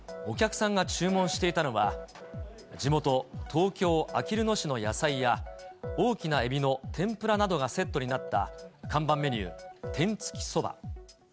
お客さんが注文していたのは、地元、東京・あきる野市の野菜や大きなえびの天ぷらなどがセットになった看板メニュー、天付きそば。